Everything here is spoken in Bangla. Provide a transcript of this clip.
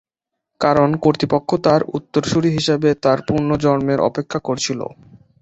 কারণ কর্তৃপক্ষ তাঁর উত্তরসূরি হিসাবে তাঁর পুনর্জন্মের অপেক্ষা করছিল।